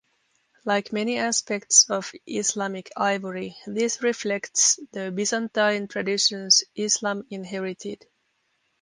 Like many aspects of Islamic ivory this reflects the Byzantine traditions Islam inherited.